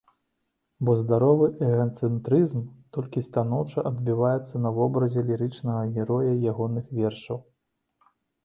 Бо здаровы эгацэнтрызм толькі станоўча адбіваецца на вобразе лірычнага героя ягоных вершаў.